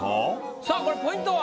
さあこれポイントは？